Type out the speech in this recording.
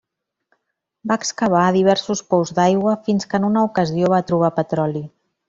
Va excavar diversos pous d'aigua fins que en una ocasió va trobar petroli.